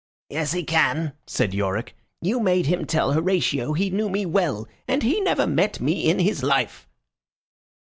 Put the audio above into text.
"Yes, he can," said Yorick. "You made him tell Horatio he knew me well, and he never met me in his life."